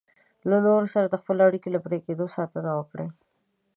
له نورو سره د خپلو اړیکو له پرې کېدو ساتنه وکړئ.